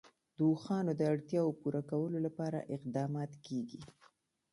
د اوښانو د اړتیاوو پوره کولو لپاره اقدامات کېږي.